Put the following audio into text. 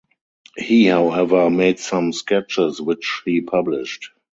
He however made some sketches which he published.